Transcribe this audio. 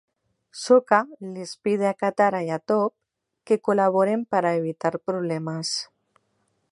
Sokka les pide a Katara y Toph que colaboren para evitar problemas.